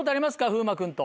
風磨君と。